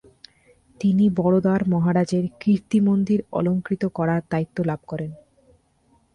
তিনি বরোদার মহারাজের কীর্তিমন্দির অলঙ্কৃত করার দায়িত্ব লাভ করেন।